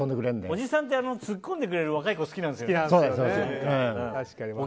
おじさんってツッコんでくれる若い子、好きなんですよね。